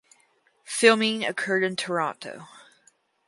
Filming occurred in Toronto.